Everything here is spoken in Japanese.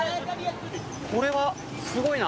これはすごいな。